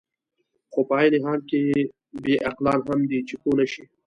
خو په عین حال کې بې عقلان هم دي، چې پوه نه شي.